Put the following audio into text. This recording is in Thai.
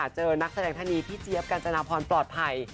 นักแสดงท่านนี้พี่เจี๊ยบกัญจนาพรปลอดภัย